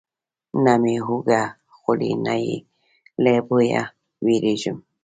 نه مې هوږه خوړلې، نه یې له بویه ویریږم.